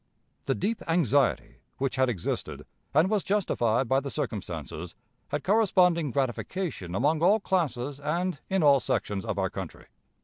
The deep anxiety which had existed, and was justified by the circumstances, had corresponding gratification among all classes and in all sections of our country.